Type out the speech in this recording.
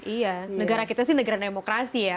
iya negara kita sih negara demokrasi ya